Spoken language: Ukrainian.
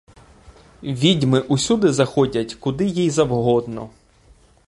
Відьми усюди заходять, куди їй завгодно.